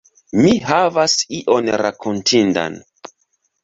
Mi havas ion rakontindan.